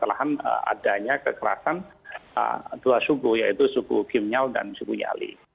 lahan adanya kekerasan dua suku yaitu suku kimnyal dan suku nyali